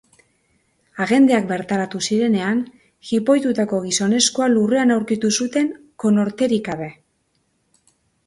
Agenteak bertaratu zirenean, jipoitutako gizonezkoa lurrean aurkitu zuten, konorterik gabe.